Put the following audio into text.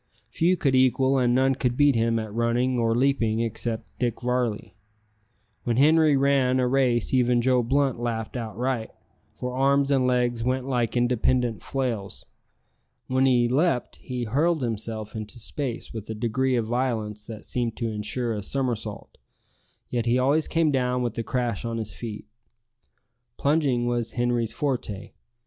Few could equal and none could beat him at running or leaping except Dick Varley. When Henri ran a race even Joe Blunt laughed outright, for arms and legs went like independent flails. When he leaped, he hurled himself into space with a degree of violence that seemed to insure a somersault; yet he always came down with a crash on his feet. Plunging was Henri's forte.